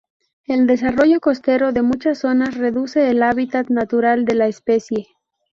El desarrollo costero de muchas zonas reduce el hábitat natural de la especie.